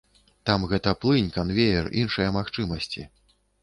Там гэта плынь, канвеер, іншыя магчымасці.